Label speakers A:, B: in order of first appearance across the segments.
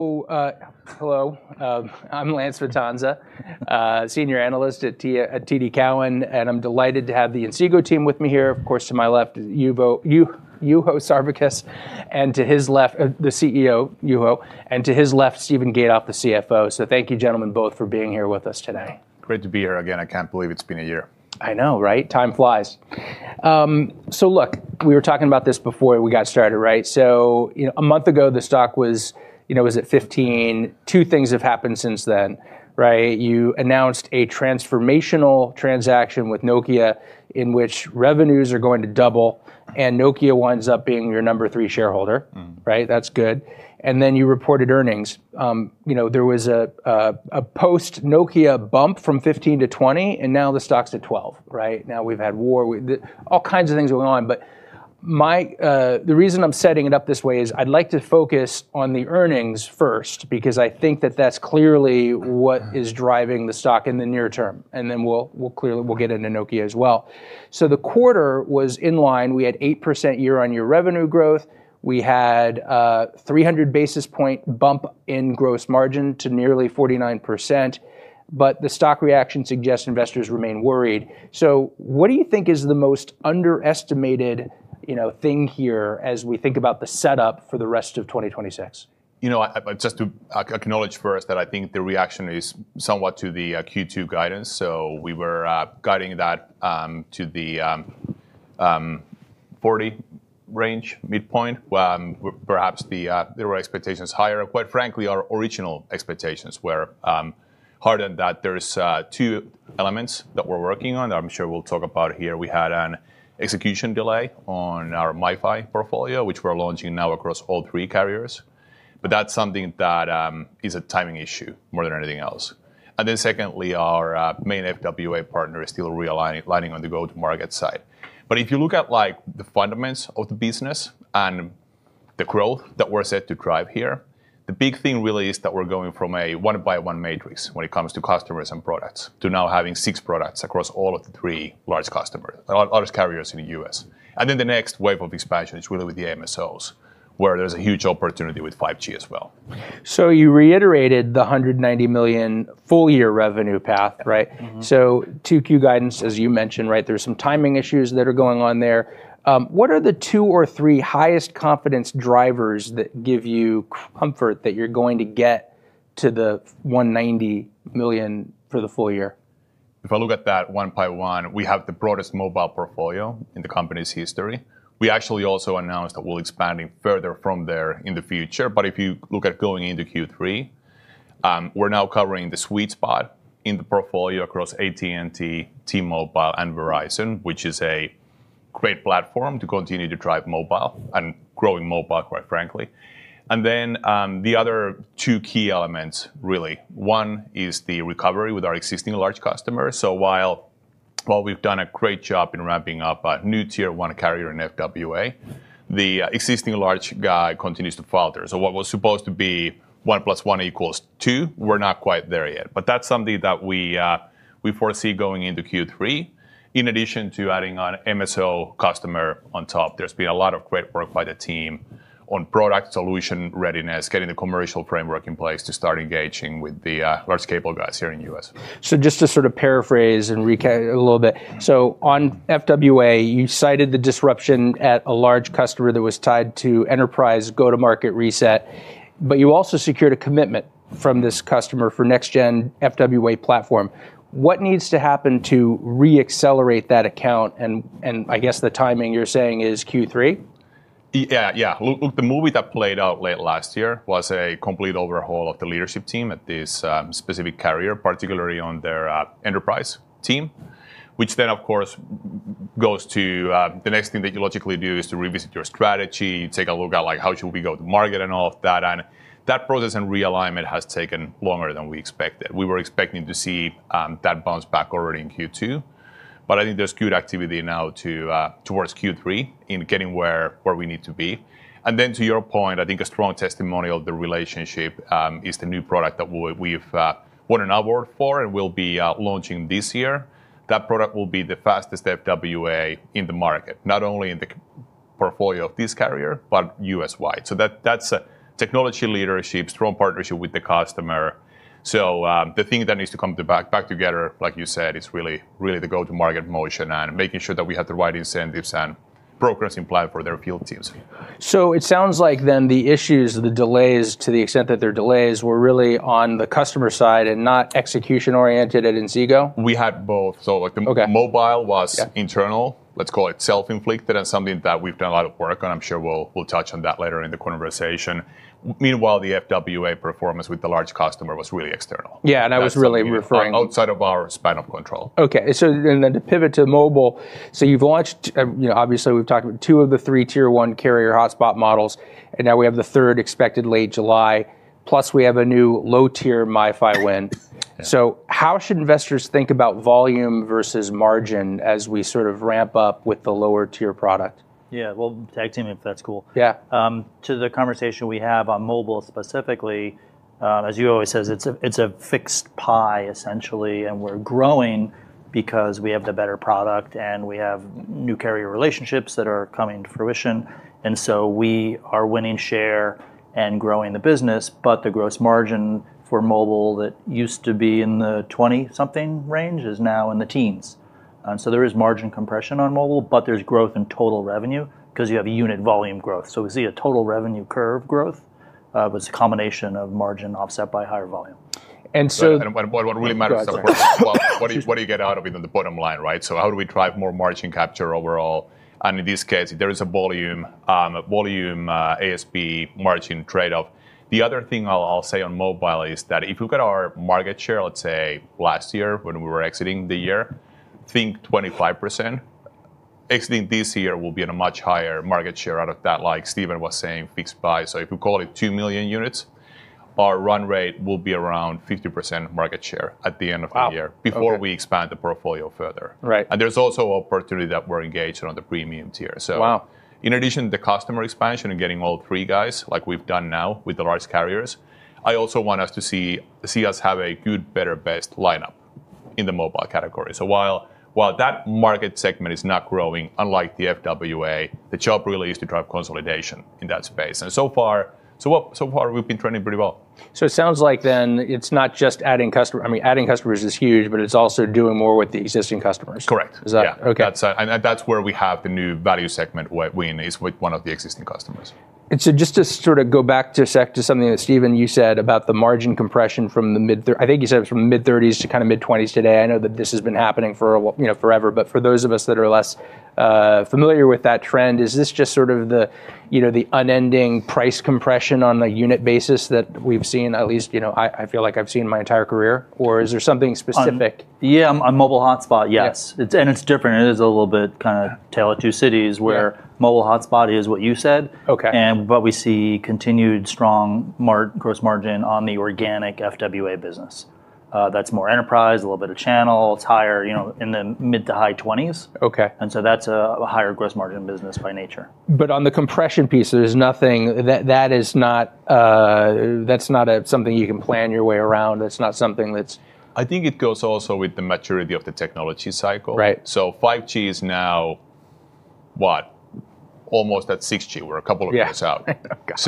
A: Hello. I'm Lance Vitanza, senior analyst at TD Cowen, and I'm delighted to have the Inseego team with me here. Of course, to my left, Juho Sarvikas, the CEO, and to his left, Steven Gatoff, the CFO. Thank you gentlemen both for being here with us today.
B: Great to be here again. I can't believe it's been a year.
A: I know, right? Time flies. Look, we were talking about this before we got started. A month ago the stock was at $15. Two things have happened since then. You announced a transformational transaction with Nokia in which revenues are going to double, and Nokia winds up being your number three shareholder. Right? That's good. Then you reported earnings. There was a post-Nokia bump from $15 to $20, and now the stock's at $12. We've had war. All kinds of things going on, but the reason I'm setting it up this way is I'd like to focus on the earnings first, because I think that that's clearly what is driving the stock in the near term, and then we'll get into Nokia as well. The quarter was in line. We had 8% year-on-year revenue growth. We had a 300-basis-point bump in gross margin to nearly 49%, but the stock reaction suggests investors remain worried. What do you think is the most underestimated thing here as we think about the setup for the rest of 2026?
B: Just to acknowledge first that I think the reaction is somewhat to the Q2 guidance. We were guiding that to the 40% range midpoint, where perhaps there were expectations higher. Quite frankly, our original expectations were harder than that. There's two elements that we're working on that I'm sure we'll talk about here. We had an execution delay on our MiFi portfolio, which we're launching now across all three carriers. That's something that is a timing issue more than anything else. Secondly, our main FWA partner is still realigning on the go-to-market side. If you look at the fundamentals of the business and the growth that we're set to drive here, the big thing really is that we're going from a one-by-one matrix when it comes to customers and products to now having six products across all of the three large carriers in the U.S. The next wave of expansion is really with the MSOs, where there's a huge opportunity with 5G as well.
A: You reiterated the $190 million full-year revenue path, right? 2Q guidance, as you mentioned, there's some timing issues that are going on there. What are the two or three highest confidence drivers that give you comfort that you're going to get to the $190 million for the full year?
B: If I look at that one-by-one, we have the broadest mobile portfolio in the company's history. We actually also announced that we're expanding further from there in the future. If you look at going into Q3, we're now covering the sweet spot in the portfolio across AT&T, T-Mobile, and Verizon, which is a great platform to continue to drive mobile and growing mobile, quite frankly. Then, the other two key elements, really, one is the recovery with our existing large customers. While we've done a great job in ramping up a new Tier 1 carrier in FWA, the existing large guy continues to falter. What was supposed to be 1 + 1 = 2 equals two, we're not quite there yet. That's something that we foresee going into Q3. In addition to adding on MSO customer on top, there's been a lot of great work by the team on product solution readiness, getting the commercial framework in place to start engaging with the large cable guys here in the U.S.
A: Just to sort of paraphrase and recap a little bit. On FWA, you cited the disruption at a large customer that was tied to enterprise go-to-market reset. You also secured a commitment from this customer for next gen FWA platform. What needs to happen to re-accelerate that account, and I guess the timing you're saying is Q3?
B: Yeah. Look, the movie that played out late last year was a complete overhaul of the leadership team at this specific carrier, particularly on their enterprise team, which then of course goes to the next thing that you logically do is to revisit your strategy, take a look at how should we go to market and all of that. That process and realignment has taken longer than we expected. We were expecting to see that bounce back already in Q2. I think there's good activity now towards Q3 in getting where we need to be. Then to your point, I think a strong testimonial of the relationship is the new product that we've won an award for and will be launching this year. That product will be the fastest FWA in the market, not only in the portfolio of this carrier, but U.S.-wide. That's technology leadership, strong partnership with the customer. The thing that needs to come back together, like you said, is really the go-to-market motion and making sure that we have the right incentives and programs in play for their field teams.
A: It sounds like then the issues, the delays to the extent that they're delays, were really on the customer side and not execution oriented at Inseego.
B: We had both.
A: Okay.
B: The mobile was internal. Let's call it self-inflicted, and something that we've done a lot of work on. I'm sure we'll touch on that later in the conversation. Meanwhile, the FWA performance with the large customer was really external.
A: Yeah.
B: Outside of our span of control.
A: To pivot to mobile, you've launched, obviously we've talked about two of the three Tier 1 carrier hotspot models, and now we have the third expected late July, plus we have a new low-tier MiFi win.
B: Yeah.
A: How should investors think about volume versus margin as we sort of ramp up with the lower tier product?
C: Yeah. We'll tag team if that's cool.
A: Yeah.
C: To the conversation we have on mobile specifically, as Juho always says, it's a fixed pie, essentially, and we're growing because we have the better product, and we have new carrier relationships that are coming to fruition. We are winning share and growing the business. The gross margin for mobile that used to be in the 20-something range is now in the teens. There is margin compression on mobile, but there's growth in total revenue because you have unit volume growth. We see a total revenue curve growth, but it's a combination of margin offset by higher volume.
A: And so-
B: But what really matters-
A: Go ahead, sorry.
B: Well, what do you get out of it on the bottom line, right? How do we drive more margin capture overall? In this case, there is a volume ASP margin trade-off. The other thing I'll say on mobile is that if you look at our market share, let's say last year when we were exiting the year, think 25%. Exiting this year, we'll be at a much higher market share out of that, like Steven Gatoff was saying, FWA. If you call it two million units, our run rate will be around 50% market share at the end of the year.
A: Wow, okay.
B: Before we expand the portfolio further.
A: Right.
B: There's also opportunity that we're engaged on the premium tier.
A: Wow.
B: In addition to the customer expansion and getting all three guys like we've done now with the large carriers, I also want us to see us have a good, better, best lineup in the mobile category. While that market segment is not growing, unlike the FWA, the job really is to drive consolidation in that space. So far we've been trending pretty well.
A: It sounds like it's not just adding customer. Adding customers is huge, it's also doing more with the existing customers.
B: Correct.
A: Is that-
B: Yeah.
A: Okay.
B: That's where we have the new value segment win is with one of the existing customers.
A: Just to go back to something that, Steven, you said about the margin compression from the mid-30s. I think you said it was from mid-30s to mid-20s today. I know that this has been happening for forever, but for those of us that are less familiar with that trend, is this just the unending price compression on the unit basis that we've seen at least, I feel like I've seen my entire career? Or is there something specific?
C: Yeah, on mobile hotspot, yes.
A: Yes.
C: It's different. It is a little bit kind of Tale of Two Cities where mobile hotspot is what you said.
A: Okay.
C: We see continued strong gross margin on the organic FWA business. That's more enterprise, a little bit of channel. It's higher, in the mid to high 20s.
A: Okay.
C: That's a higher gross margin business by nature.
A: On the compression piece, that's not something you can plan your way around. It's not something.
B: I think it goes also with the maturity of the technology cycle.
A: Right.
B: 5G is now what? Almost at 6G. We're a couple of years out.
A: Yeah.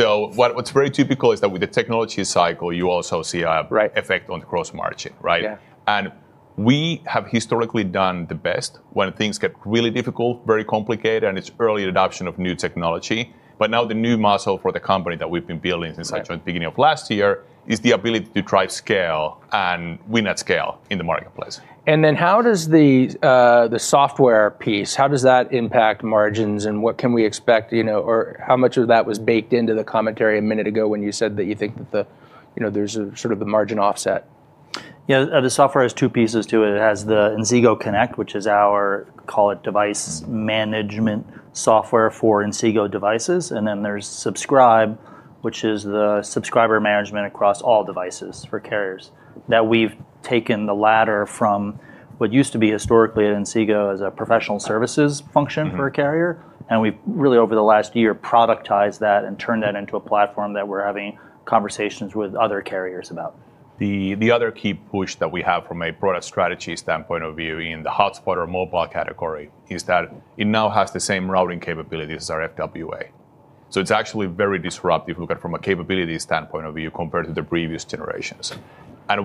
A: Oh, God.
B: What's very typical is that with the technology cycle, you also see-
A: Right....
B: effect on the gross margin, right?
A: Yeah.
B: We have historically done the best when things get really difficult, very complicated, and it's early adoption of new technology. Now the new muscle for the company that we've been building since.
A: Yeah.
B: I joined beginning of last year is the ability to drive scale and win at scale in the marketplace.
A: How does the software piece, how does that impact margins and what can we expect, or how much of that was baked into the commentary a minute ago when you said that you think that there's a sort of the margin offset?
C: Yeah, the software has two pieces to it. It has the Inseego Connect, which is our call it device management software for Inseego devices, and then there's Subscribe, which is the subscriber management across all devices for carriers. We've taken the latter from what used to be historically at Inseego as a professional services function for a carrier, and we've really, over the last year, productized that and turned that into a platform that we're having conversations with other carriers about.
B: The other key push that we have from a product strategy standpoint of view in the hotspot or mobile category is that it now has the same routing capability as our FWA. It's actually very disruptive looking from a capability standpoint of view compared to the previous generations.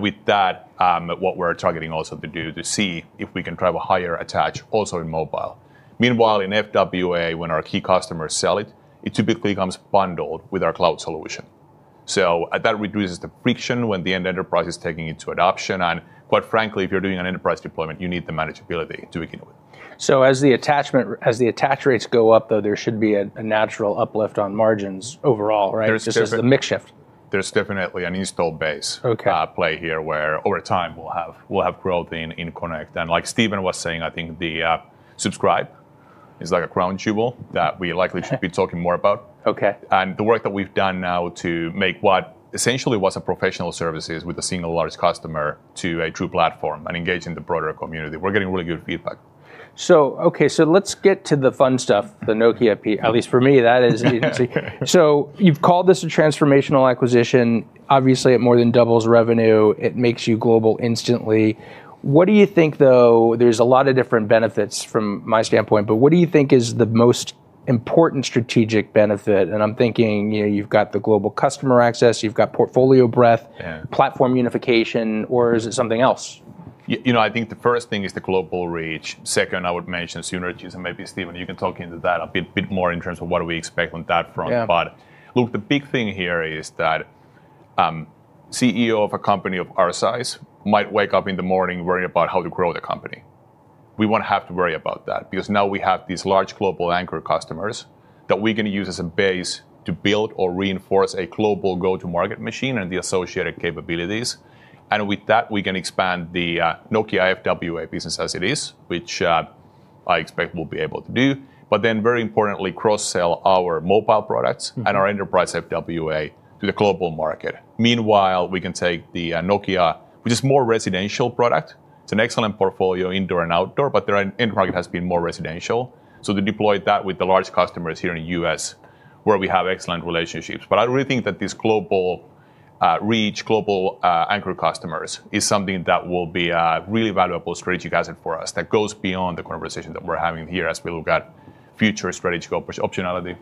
B: With that, what we're targeting also to do to see if we can drive a higher attach also in mobile. Meanwhile, in FWA, when our key customers sell it typically comes bundled with our cloud solution. That reduces the friction when the end enterprise is taking it to adoption. Quite frankly, if you're doing an enterprise deployment, you need the manageability to begin with.
A: As the attach rates go up, though, there should be a natural uplift on margins overall, right?
B: There's definitely-
A: Just as the mix shift.
B: There's definitely an installed base-
A: Okay....
B: at play here where over time we'll have growth in Connect. Like Steven was saying, I think the Subscribe is like a crown jewel that we likely should be talking more about.
A: Okay.
B: The work that we've done now to make what essentially was a professional services with a single large customer to a true platform and engaging the broader community. We're getting really good feedback.
A: Let's get to the fun stuff, the Nokia piece. At least for me, that is Inseego. You've called this a transformational acquisition. Obviously, it more than doubles revenue. It makes you global instantly. What do you think, though, there's a lot of different benefits from my standpoint, but what do you think is the most important strategic benefit? I'm thinking you've got the global customer access, you've got portfolio breadth,-
B: Yeah....
A: platform unification, or is it something else?
B: I think the first thing is the global reach. Second, I would mention synergies. Maybe Steven, you can talk into that a bit more in terms of what do we expect on that front.
A: Yeah.
B: Look, the big thing here is that CEO of a company of our size might wake up in the morning worrying about how to grow the company. We won't have to worry about that because now we have these large global anchor customers that we're going to use as a base to build or reinforce a global go-to-market machine and the associated capabilities. With that, we can expand the Nokia FWA business as it is, which I expect we'll be able to do, very importantly, cross-sell our mobile products and our enterprise FWA to the global market. Meanwhile, we can take the Nokia, which is more residential product. It's an excellent portfolio indoor and outdoor, their end market has been more residential. To deploy that with the large customers here in the U.S. where we have excellent relationships. I really think that this global reach, global anchor customers is something that will be a really valuable strategic asset for us that goes beyond the conversation that we're having here as we look at future strategic optionality.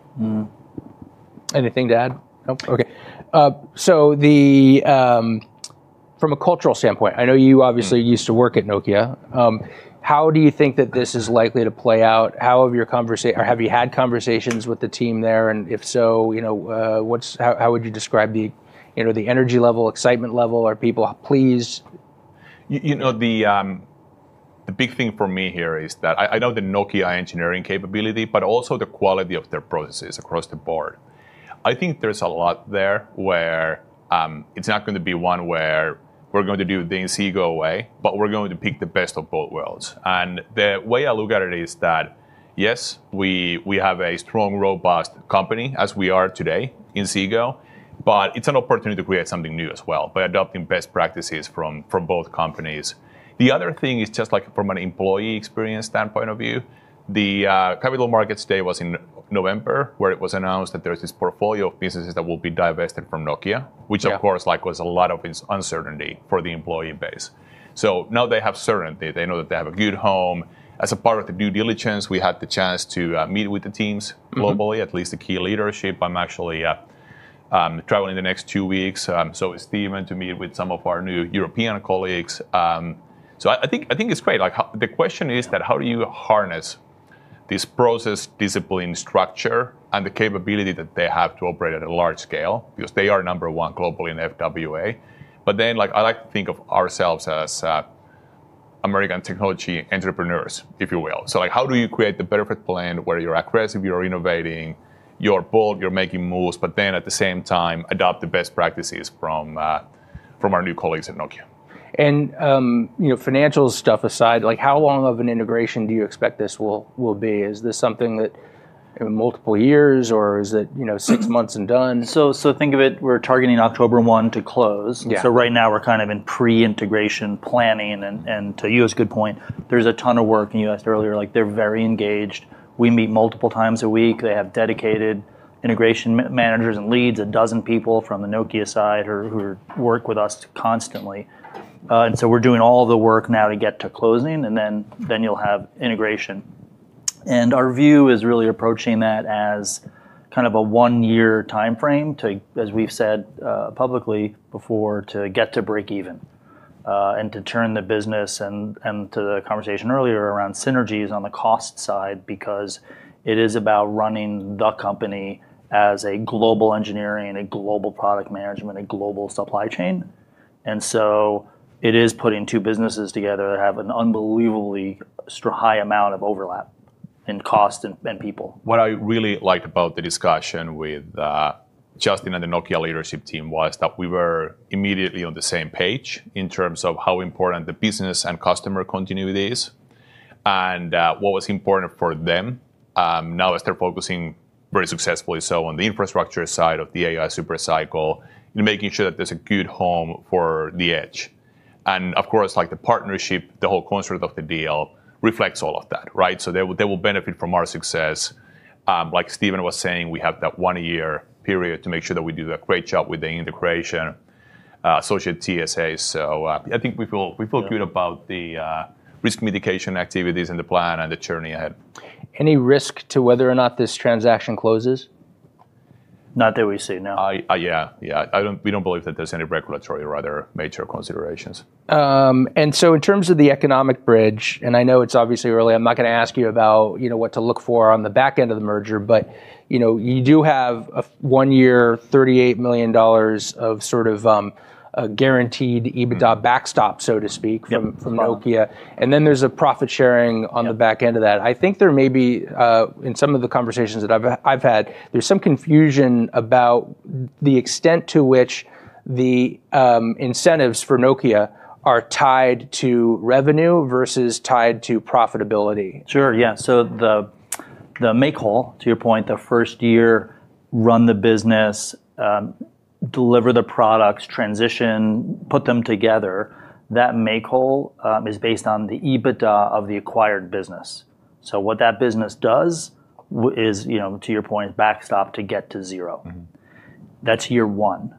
A: Anything to add? No. Okay. From a cultural standpoint, I know you obviously used to work at Nokia. How do you think that this is likely to play out? Have you had conversations with the team there, and if so, how would you describe the energy level, excitement level? Are people pleased?
B: The big thing for me here is that I know the Nokia engineering capability, but also the quality of their processes across the board. I think there's a lot there where it's not going to be one where we're going to do things Inseego way, but we're going to pick the best of both worlds. The way I look at it is that, yes, we have a strong, robust company as we are today in Inseego, but it's an opportunity to create something new as well by adopting best practices from both companies. The other thing is just from an employee experience standpoint of view, the Capital Markets Day was in November, where it was announced that there's this portfolio of businesses that will be divested from Nokia.
A: Yeah.
B: Which of course, was a lot of uncertainty for the employee base. Now they have certainty. They know that they have a good home. As a part of the due diligence, we had the chance to meet with the teams globally, at least the key leadership. I'm actually traveling the next two weeks, so is Steven, to meet with some of our new European colleagues. I think it's great. The question is that how do you harness this process discipline structure and the capability that they have to operate at a large scale? Because they are number one globally in FWA. I like to think of ourselves as American technology entrepreneurs, if you will. How do you create the perfect blend where you're aggressive, you're innovating, you're bold, you're making moves, at the same time, adopt the best practices from our new colleagues at Nokia?
A: Financial stuff aside, how long of an integration do you expect this will be? Is this something that, multiple years, or is it six months and done?
C: Think of it, we're targeting October 1 to close.
A: Yeah.
C: Right now we're kind of in pre-integration planning, and to you, it's a good point. There's a ton of work, and you asked earlier, they're very engaged. We meet multiple times a week. They have dedicated integration managers and leads, a dozen people from the Nokia side who work with us constantly. We're doing all the work now to get to closing, then you'll have integration. Our view is really approaching that as kind of a one-year timeframe to, as we've said publicly before, to get to breakeven, and to turn the business, and to the conversation earlier around synergies on the cost side, because it is about running the company as a global engineering and a global product management, a global supply chain. It is putting two businesses together that have an unbelievably high amount of overlap in cost and people.
B: What I really like about the discussion with Justin and the Nokia leadership team was that we were immediately on the same page in terms of how important the business and customer continuity is. What was important for them, now as they're focusing very successfully so on the infrastructure side of the AI super cycle, making sure that there's a good home for the edge. Of course, the partnership, the whole concept of the deal reflects all of that, right? They will benefit from our success. Like Steven was saying, we have that one-year period to make sure that we do a great job with the integration, associated TSAs. I think we feel good about the risk mitigation activities and the plan and the journey ahead.
A: Any risk to whether or not this transaction closes?
C: Not that we see, no.
B: Yeah. We don't believe that there's any regulatory or other major considerations.
A: In terms of the economic bridge, and I know it's obviously early, I'm not going to ask you about what to look for on the back end of the merger, but you do have a one-year $38 million of sort of a guaranteed EBITDA backstop, so to speak.
C: Yep.
A: from Nokia, and then there's a profit-sharing on the back end of that. I think there may be, in some of the conversations that I've had, there's some confusion about the extent to which the incentives for Nokia are tied to revenue versus tied to profitability.
C: Sure, yeah. The make whole, to your point, the first year, run the business, deliver the products, transition, put them together. That make whole is based on the EBITDA of the acquired business. What that business does is, to your point, backstop to get to zero. That's year one.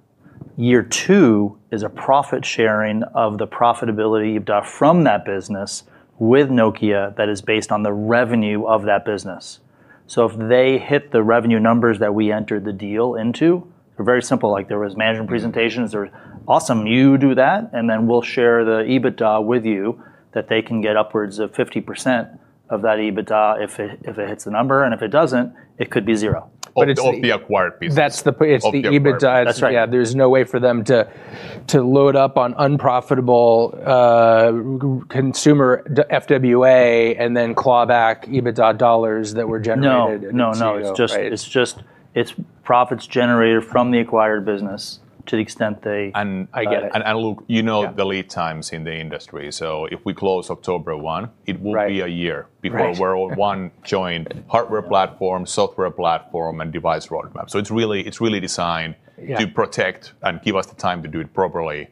C: Year two is a profit sharing of the profitability EBITDA from that business with Nokia that is based on the revenue of that business. If they hit the revenue numbers that we entered the deal into, very simple, like there was management presentations, there's awesome, you do that, and then we'll share the EBITDA with you that they can get upwards of 50% of that EBITDA if it hits the number, and if it doesn't, it could be zero.
B: Of the acquired business.
C: It's the EBITDA-
B: Of the acquired business. That's right.
C: Yeah, there's no way for them to load up on unprofitable consumer FWA and then claw back EBITDA dollars-
A: No....
C: that were generated [into you] Right.
A: No. It's profits generated from the acquired business to the extent they got it.
B: And look-
A: Yeah....
B: you know the lead times in the industry. If we close October 1-
A: Right....
B: it will be a year before-
A: Right....
B: we're all one joined hardware platform, software platform, and device roadmap. it's really designed-
A: Yeah....
B: to protect and give us the time to do it properly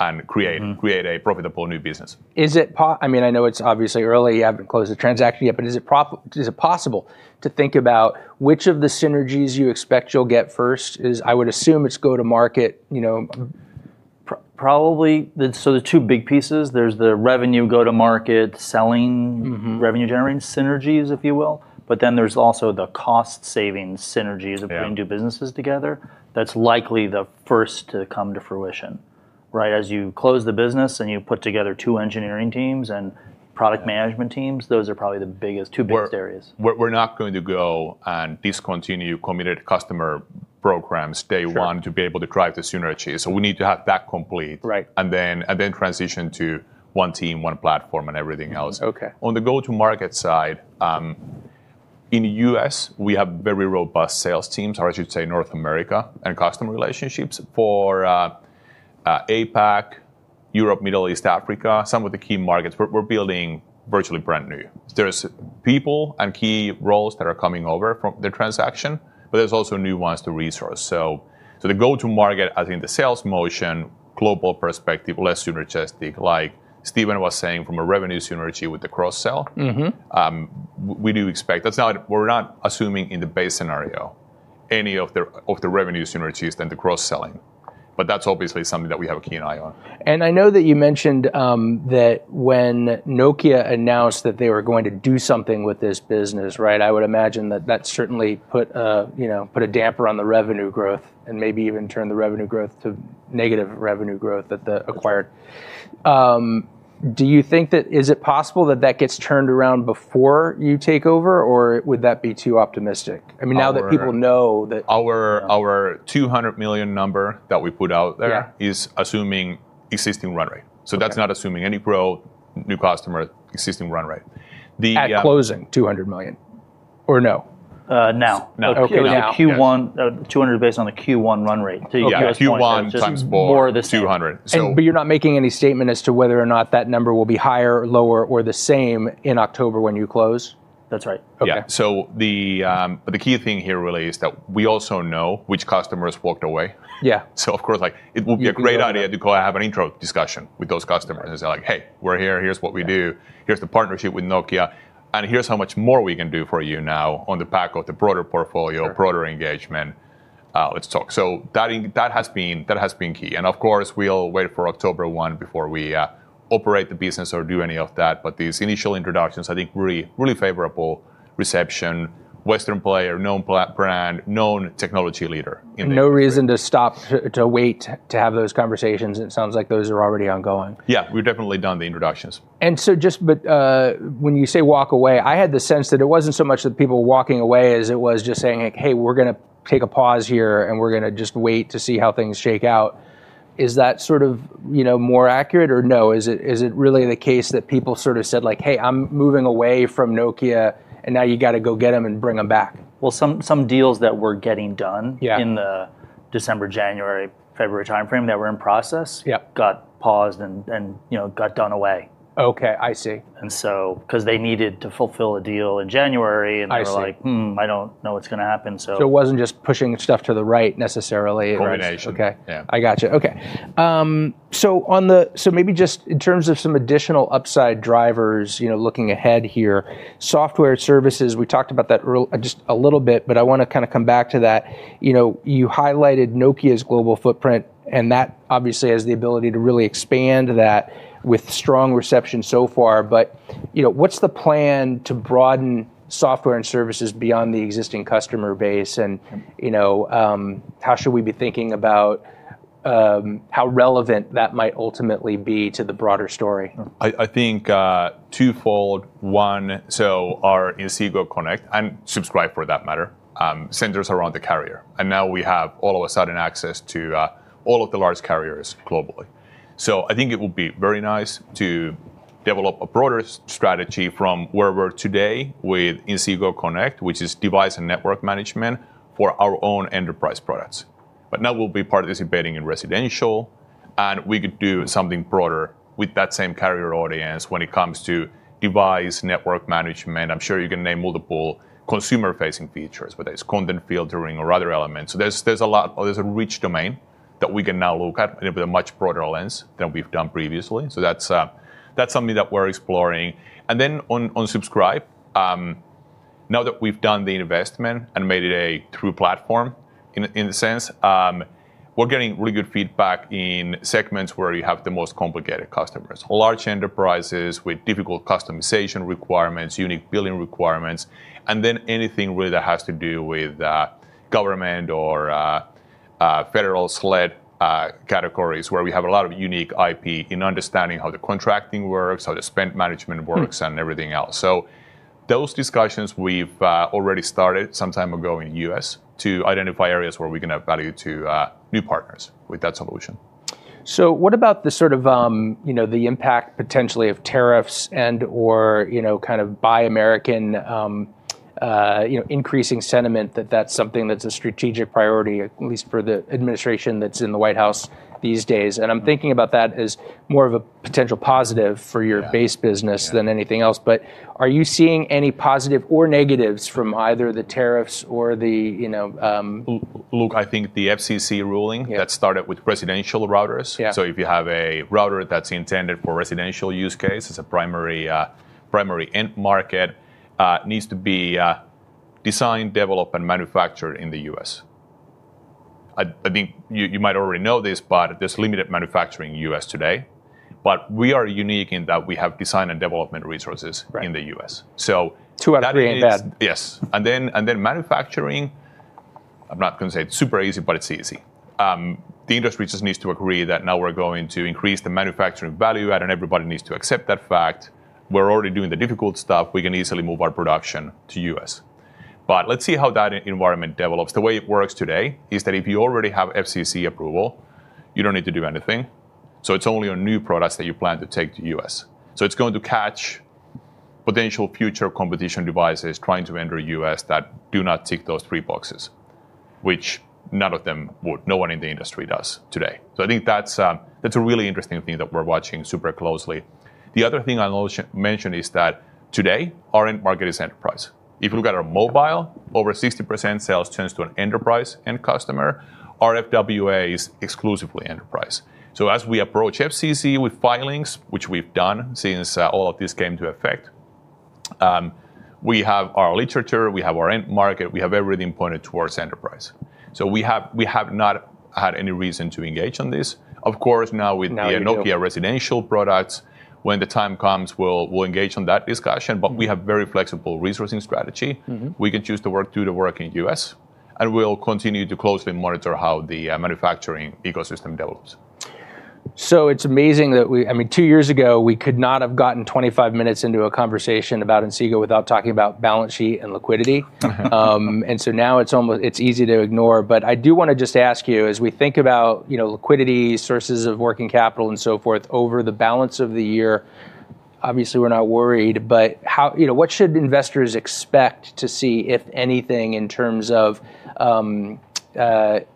B: and create a profitable new business.
A: I know it's obviously early, you haven't closed the transaction yet, but is it possible to think about which of the synergies you expect you'll get first? I would assume it's go-to-market, you know. Probably, the two big pieces, there's the revenue go-to-market selling. Revenue-generating synergies, if you will, but then there's also the cost-saving synergies.
B: Yeah.
A: Of putting two businesses together, that's likely the first to come to fruition. Right as you close the business and you put together two engineering teams and product management teams, those are probably the biggest, two biggest areas.
B: We're not going to go and discontinue committed customer programs-
A: Sure....
B: day one to be able to drive the synergy. We need to have that complete.
A: Right.
B: Transition to one team, one platform, and everything else.
A: Okay.
B: On the go-to-market side, in the U.S., we have very robust sales teams, or I should say North America, and customer relationships. For APAC, Europe, Middle East, Africa, some of the key markets, we're building virtually brand new. There's people and key roles that are coming over from the transaction, there's also new ones to resource. The go-to-market, I think the sales motion, global perspective, less synergistic, like Steven was saying from a revenue synergy with the cross-sell. We do expect. We're not assuming in the base scenario any of the revenue synergies than the cross-selling, but that's obviously something that we have a keen eye on.
A: I know that you mentioned that when Nokia announced that they were going to do something with this business, right, I would imagine that that certainly put a damper on the revenue growth and maybe even turned the revenue growth to negative revenue growth. Do you think that is it possible that that gets turned around before you take over, or would that be too optimistic?
B: Our $200 million number that we put out there-
A: Yeah....
B: is assuming existing run rate.
A: Okay.
B: That's not assuming any growth, new customer, existing run rate.
A: At closing, $200 million, or no? Now.
C: Now.
A: Okay.
C: Now.
B: Yes.
A: It would be Q1, $200 million based on the Q1 run rate.
B: Yeah, Q1 times four.
A: More the same.
B: $200 million.
A: You're not making any statement as to whether or not that number will be higher, lower, or the same in October when you close?
C: That's right.
B: Yeah. The key thing here really is that we also know which customers walked away.
A: Yeah.
B: Of course, it will be a great idea to go have an intro discussion with those customers and say, "Hey, we're here. Here's what we do. Here's the partnership with Nokia, and here's how much more we can do for you now on the back of the broader portfolio-
A: Sure....
B: broader engagement. Let's talk." That has been key, of course, we'll wait for October 1 before we operate the business or do any of that, these initial introductions, I think really favorable reception. Western player, known brand, known technology leader in the industry.
A: No reason to stop to wait to have those conversations. It sounds like those are already ongoing.
B: Yeah, we've definitely done the introductions.
A: Just, when you say walk away, I had the sense that it wasn't so much that people walking away as it was just saying like, "Hey, we're going to take a pause here, and we're going to just wait to see how things shake out." Is that sort of more accurate or no? Is it really the case that people sort of said like, "Hey, I'm moving away from Nokia," and now you got to go get them and bring them back?
C: Well, some deals that were getting done-
A: Yeah....
C: in the December, January, February timeframe that were in process-
A: Yeah....
C: got paused and got done away.
A: Okay. I see.
C: Because they needed to fulfill a deal in January.
A: I see.
C: I don't know what's going to happen.
A: It wasn't just pushing stuff to the right necessarily.
C: Right.
B: Combination.
A: Okay.
B: Yeah.
A: I got you. Okay. Maybe just in terms of some additional upside drivers, looking ahead here, software services, we talked about that just a little bit, but I want to kind of come back to that. You highlighted Nokia's global footprint, and that obviously has the ability to really expand that with strong reception so far. What's the plan to broaden software and services beyond the existing customer base and how should we be thinking about how relevant that might ultimately be to the broader story?
B: I think twofold. One, our Inseego Connect, and Inseego Subscribe for that matter, centers around the carrier, and now we have all of a sudden access to all of the large carriers globally. I think it will be very nice to develop a broader strategy from where we're today with Inseego Connect, which is device and network management for our own enterprise products. Now we'll be participating in residential, and we could do something broader with that same carrier audience when it comes to device network management. I'm sure you can name multiple consumer-facing features, whether it's content filtering or other elements. There's a lot. There's a rich domain that we can now look at with a much broader lens than we've done previously. That's something that we're exploring. On Inseego Subscribe, now that we've done the investment and made it a true platform in a sense, we're getting really good feedback in segments where you have the most complicated customers. Large enterprises with difficult customization requirements, unique billing requirements, and then anything really that has to do with government or federal/SLED categories where we have a lot of unique IP in understanding how the contracting works, how the spend management works and everything else. Those discussions we've already started some time ago in the U.S. to identify areas where we can add value to new partners with that solution.
A: What about the sort of the impact potentially of tariffs and/or kind of Buy American increasing sentiment that that's something that's a strategic priority, at least for the administration that's in the White House these days? I'm thinking about that as more of a potential positive for your base business than anything else. Are you seeing any positive or negatives from either the tariffs or?
B: Look, I think the FCC ruling-
A: Yeah....
B: that started with residential routers.
A: Yeah.
B: If you have a router that's intended for residential use case as a primary end market, needs to be designed, developed, and manufactured in the U.S. I think you might already know this, but there's limited manufacturing in the U.S. today. We are unique in that we have design and development resources-
A: Right....
B: in the U.S. So that is-
A: To create that.
B: Yes. Then manufacturing, I'm not going to say it's super easy, but it's easy. The industry just needs to agree that now we're going to increase the manufacturing value add, and everybody needs to accept that fact. We're already doing the difficult stuff. We can easily move our production to U.S. Let's see how that environment develops. The way it works today is that if you already have FCC approval, you don't need to do anything. It's only on new products that you plan to take to U.S. It's going to catch potential future competition devices trying to enter U.S. that do not tick those three boxes, which none of them would, no one in the industry does today. I think that's a really interesting thing that we're watching super closely. The other thing I'll mention is that today our end market is enterprise. If you look at our mobile, over 60% sales channels to an enterprise end customer. Our FWA is exclusively enterprise. As we approach FCC with filings, which we've done since all of this came to effect, we have our literature, we have our end market, we have everything pointed towards enterprise. We have not had any reason to engage on this.
A: Now you do.
B: Nokia residential products, when the time comes, we'll engage on that discussion, but we have very flexible resourcing strategy. We can choose to do the work in the U.S., and we'll continue to closely monitor how the manufacturing ecosystem develops.
A: It's amazing that two years ago, we could not have gotten 25 minutes into a conversation about Inseego without talking about balance sheet and liquidity. Now it's easy to ignore, but I do want to just ask you, as we think about liquidity sources of working capital and so forth over the balance of the year, obviously we're not worried, but what should investors expect to see, if anything, in terms of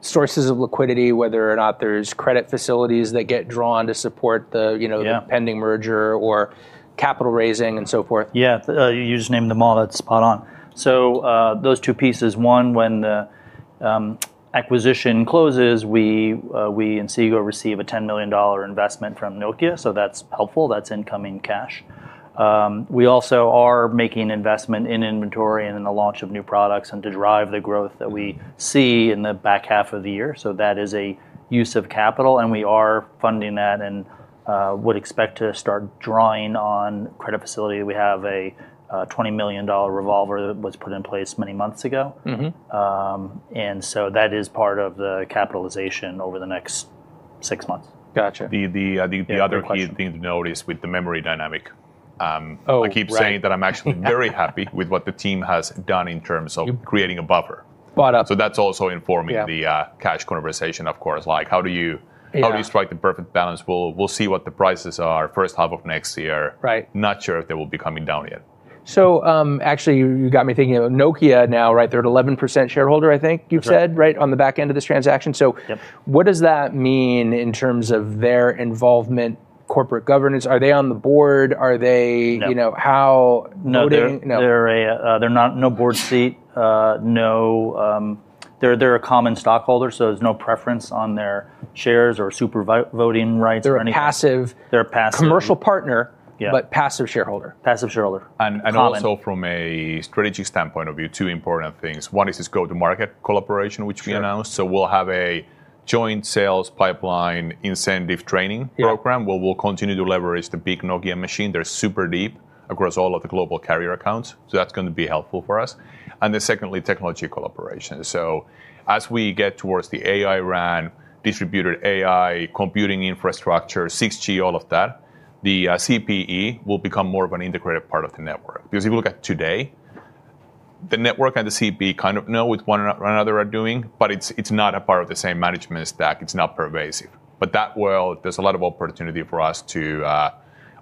A: sources of liquidity, whether or not there's credit facilities that get drawn to support-
B: Yeah....
A: pending merger or capital raising and so forth?
C: Yeah. You just named them all. That's spot on. Those two pieces, one, when the acquisition closes, we in Inseego receive a $10 million investment from Nokia, so that's helpful. That's incoming cash. We also are making investment in inventory and in the launch of new products and derive the growth that we see in the back half of the year, so that is a use of capital, and we are funding that and would expect to start drawing on credit facility. We have a $20 million revolver that was put in place many months ago. That is part of the capitalization over the next six months.
A: Got you.
B: The other-
A: Yeah, go ahead....
B: key thing to note is with the memory dynamic.
A: Oh, right.
B: I keep saying that I'm actually very happy with what the team has done in terms of creating a buffer.
A: But-
B: That's also informing-
A: Yeah....
B: the cash conversation, of course.
A: Yeah.
B: How do you strike the perfect balance? We'll see what the prices are first half of next year.
A: Right.
B: Not sure if they will be coming down yet.
A: Actually you got me thinking of Nokia now, right? They're at 11% shareholder, I think you've said-
B: That's right....
A: on the back end of this transaction.
B: Yep.
A: What does that mean in terms of their involvement, corporate governance? Are they on the board?
C: No.
A: How voting?
C: No. They're not, no board seat. They're a common stockholder, so there's no preference on their shares or super voting rights or anything.
A: They're a passive-
C: They're a passive....
A: commercial partner-
C: Yeah....
A: but passive shareholder.
C: Passive shareholder.
B: And also-
A: Common....
B: from a strategic standpoint of view, two important things. One is this go to market collaboration, which we announced.
A: Sure.
B: We'll have a joint sales pipeline incentive training program.
A: Yeah.
B: where we'll continue to leverage the big Nokia machine. They're super deep across all of the global carrier accounts, so that's going to be helpful for us. Secondly, technology collaboration. As we get towards the AI RAN, distributed AI computing infrastructure, 6G, all of that, the CPE will become more of an integrated part of the network. Because if you look at today, the network and the CPE kind of know what one another are doing, but it's not a part of the same management stack. It's not pervasive. There's a lot of opportunity for us to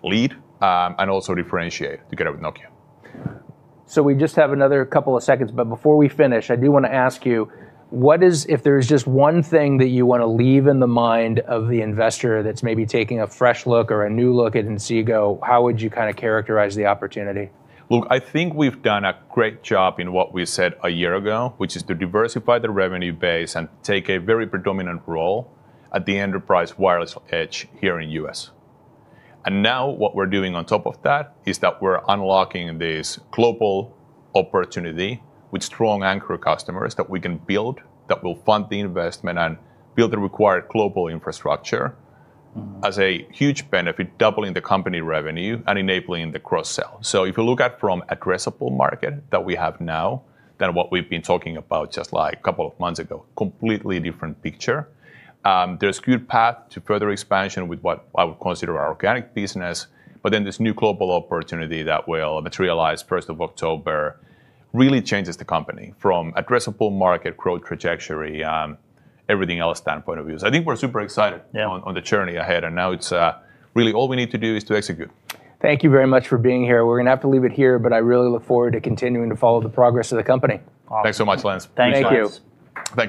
B: lead and also differentiate together with Nokia.
A: We just have another couple of seconds, but before we finish, I do want to ask you, what is, if there's just one thing that you want to leave in the mind of the investor that's maybe taking a fresh look or a new look at Inseego, how would you characterize the opportunity?
B: Look, I think we've done a great job in what we said a year ago, which is to diversify the revenue base and take a very predominant role at the enterprise wireless edge here in U.S. Now what we're doing on top of that is that we're unlocking this global opportunity with strong anchor customers that we can build, that will fund the investment and build the required global infrastructure as a huge benefit, doubling the company revenue and enabling the cross-sell. If you look at from addressable market that we have now, than what we've been talking about just a couple of months ago, completely different picture. There's good path to further expansion with what I would consider our organic business. This new global opportunity that will materialize 1st October really changes the company from addressable market growth trajectory, everything else standpoint of view. I think we're super excited.
A: Yeah.
B: On the journey ahead, now it's really all we need to do is to execute.
A: Thank you very much for being here. We're going to have to leave it here, but I really look forward to continuing to follow the progress of the company.
C: Awesome.
B: Thanks so much, Lance.
C: Thanks, Lance.
A: Thank you.